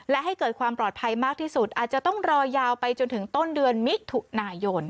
และให้เกิดความปลอดภัยมากที่สุดอาจจะต้องรอยาวไปจนถึงต้นเดือนมิถุนายน